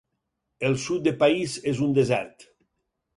El sud de país és un desert.